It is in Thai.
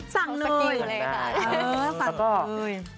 หรือนอกว่าสั่งด้วย